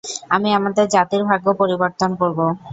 আমি আমাদের জাতির ভাগ্য পরিবর্তন করব।